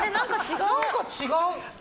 何か違う。